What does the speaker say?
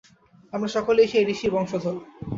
আমরা সকলেই সেই ঋষির বংশধর।